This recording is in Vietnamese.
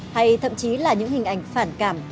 hay thậm chí là những hình ảnh phản cảm